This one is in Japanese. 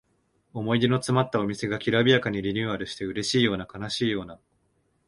思い出のつまったお店がきらびやかにリニューアルしてうれしいような悲しいような